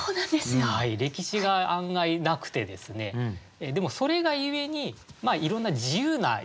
歴史が案外なくてですねでもそれがゆえにいろんな自由な詠み口ができる。